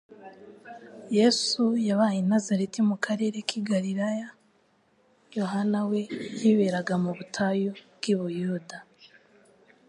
Yesu yabaye i Nazareti mu karere k'i Galilaya; Yohana we yiberaga mu butayu bw'i Buyuda.